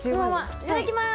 いただきます。